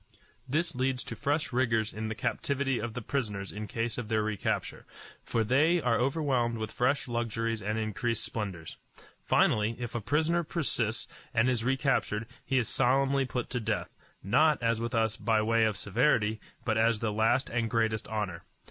This leads to fresh rigors in the captivity of the prisoners in case of their recapture, for they are overwhelmed with fresh luxuries and increased splendors. Finally, if a prisoner persist and is recaptured, he is solemnly put to death, not, as with us, by way of severity, but as the last and greatest honor.